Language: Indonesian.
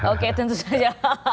oke tentu saja